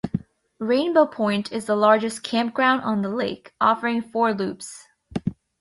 Rainbow Point is the largest campground on the lake, offering four loops.